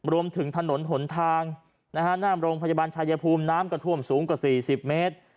รวมถึงถนนหนทางหน้าโรงพยาบาลชายภูมิน้ำก็ท่วมสูงกว่า๔๐เมตร